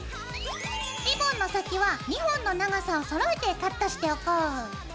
リボンの先は２本の長さをそろえてカットしておこう。